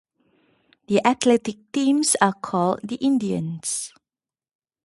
The athletic teams are called the Indians.